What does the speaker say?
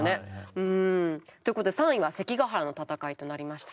うん。ということで３位は関ヶ原の戦いとなりました。